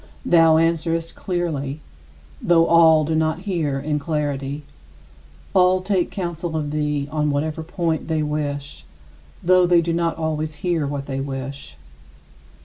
Thou answerest clearly, though all do not hear in clarity. All take counsel of thee on whatever point they wish, though they do not always hear what they wish.